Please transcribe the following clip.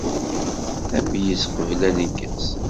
Ameyyez qbel aneggez